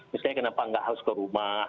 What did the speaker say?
misalnya kenapa nggak harus ke rumah